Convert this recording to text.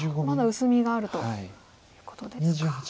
まだ薄みがあるということですか。